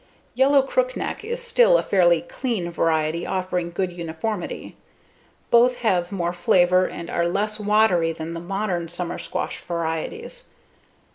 Yellow Crookneck is still a fairly "clean" variety offering good uniformity. Both have more flavor and are less watery than the modern summer squash varieties.